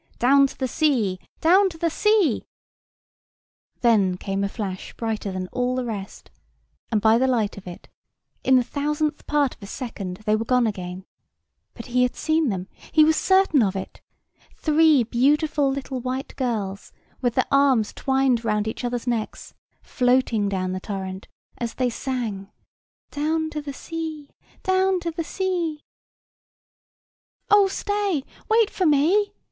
Down to the sea, down to the sea!" [Picture: Tom with the eels] Then came a flash brighter than all the rest, and by the light of it—in the thousandth part of a second they were gone again—but he had seen them, he was certain of it—Three beautiful little white girls, with their arms twined round each other's necks, floating down the torrent, as they sang, "Down to the sea, down to the sea!" "Oh stay! Wait for me!"